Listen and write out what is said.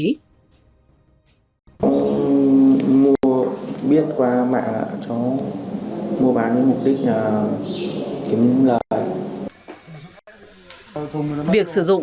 việc sử dụng thuốc lá điện tử cơ quan công an đã thu giữ một loại nhựa bên trong đựng chất lỏng nghi là ma túy một mươi một bóp thuốc lá điện tử và một số vật dụng phương tiện có liên quan